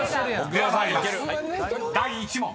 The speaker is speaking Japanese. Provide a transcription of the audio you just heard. ［第１問］